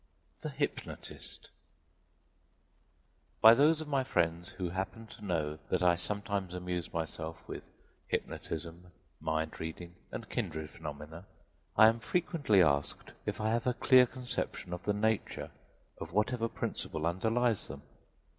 THE HYPNOTIST By those of my friends who happen to know that I sometimes amuse myself with hypnotism, mind reading and kindred phenomena, I am frequently asked if I have a clear conception of the nature of whatever principle underlies them.